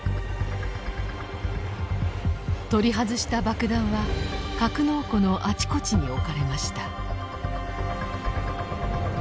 取り外した爆弾は格納庫のあちこちに置かれました。